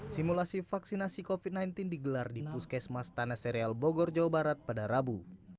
simulasi vaksinasi covid sembilan belas digelar di puskesmas tanah serial bogor jawa barat pada rabu